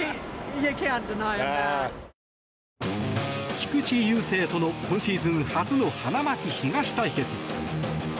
菊池雄星との今シーズン初の花巻東対決。